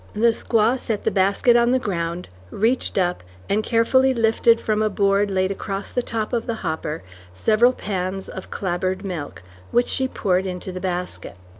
The squaw set the basket on the ground, reached up, and carefully lifted from a board laid across the top of the hopper, several pans of clabbered milk, which she poured into the basket.